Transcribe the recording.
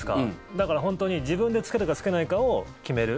だから本当に、自分で着けるか着けないかを決める。